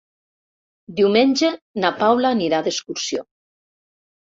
Diumenge na Paula anirà d'excursió.